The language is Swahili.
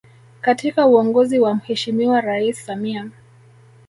Katika uongozi wa Mheshimiwa Rais Samia